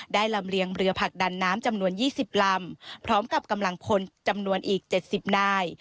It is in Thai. ได้ลำเรียงเบลือผักดันน้ำจำนวนยี่สิบลำพร้อมกับกำลังคนจำนวนอีกเจ็ดสิบนาย